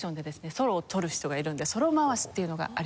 ソロをとる人がいるのでソロ回しっていうのがあります。